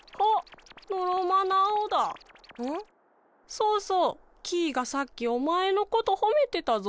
そうそう！キイがさっきおまえのことほめてたぞ。